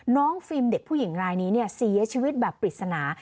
น้องฝีมเด็กผู้หญิงรายนี้ซีอะไรชีวิตแบบปริศนา